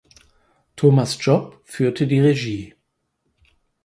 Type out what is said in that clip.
Thomas Job führte die Regie.